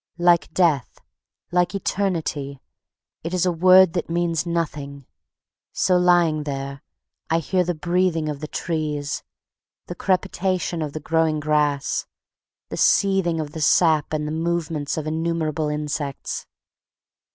Like Death, like Eternity, it is a word that means nothing. So lying there I hear the breathing of the trees, the crepitation of the growing grass, the seething of the sap and the movements of innumerable insects.